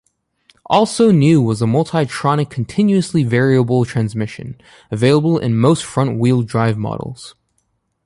Also new was the multitronic continuously variable transmission, available in most front-wheel drive models.